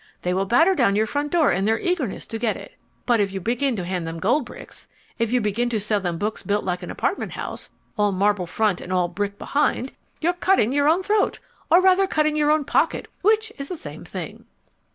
They will batter down your front door in their eagerness to get it. But if you begin to hand them gold bricks, if you begin to sell them books built like an apartment house, all marble front and all brick behind, you're cutting your own throat, or rather cutting your own pocket, which is the same thing.